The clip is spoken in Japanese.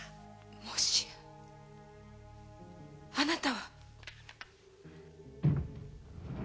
もしやあなたは！